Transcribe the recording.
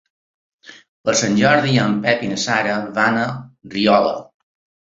Per Sant Jordi en Pep i na Sara van a Riola.